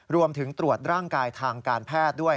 รวมถึงตรวจร่างกายทางการแพทย์ด้วย